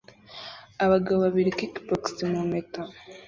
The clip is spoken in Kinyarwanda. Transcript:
Abagabo babiri kickbox mu mpeta